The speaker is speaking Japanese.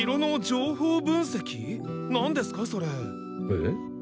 えっ？